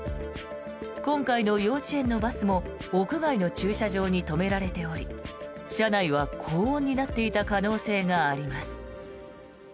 今回の幼稚園のバスも屋外の駐車場に止められており車内は高温になっていた可能性があります。